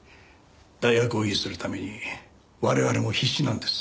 大学を維持するために我々も必死なんです。